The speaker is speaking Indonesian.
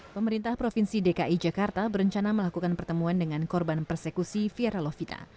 pemerintah provinsi dki jakarta berencana melakukan pertemuan dengan korban persekusi fiera lovita